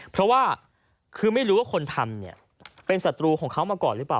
เพราะว่าคือไม่รู้ว่าคนทำเนี่ยเป็นศัตรูของเขามาก่อนหรือเปล่า